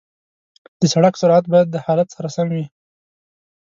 د سړک سرعت باید د حالت سره سم وي.